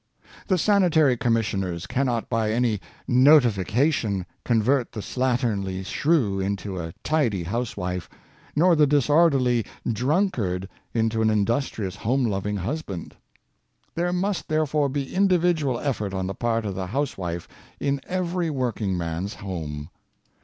The sanitary commission ers cannot, by any '^ notification," convert the slatternly shrew into a tidy housewife, nor the disorderly drunkard 48 Domestic Improvement, into an industrious, home loving husband. There must, therefore, be individual effort on the part of the house wife in every working man's home.